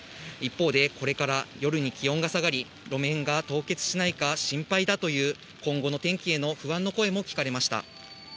一方でこれから夜に気温が下がり、路面が凍結しないか心配だという、今後の天気への不安の声も聞かれました。